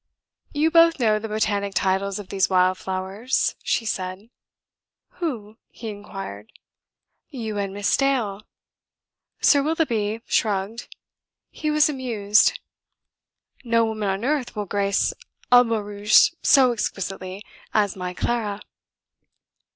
"You both know the botanic titles of these wild flowers," she said. "Who?" he inquired. "You and Miss Dale." Sir Willoughby shrugged. He was amused. "No woman on earth will grace a barouche so exquisitely as my Clara."